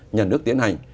nhà nước tiến hành